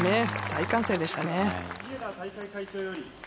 大歓声でした。